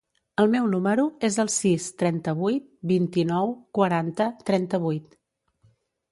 El meu número es el sis, trenta-vuit, vint-i-nou, quaranta, trenta-vuit.